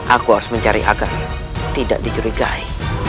aku harus mencari agar tidak dicerigai